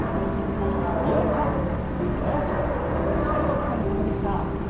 はいお疲れさまでした。